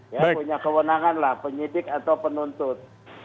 ya punya kewenangan lah penyidik atau penuntut